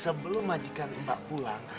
sebelum majikan mbak pulang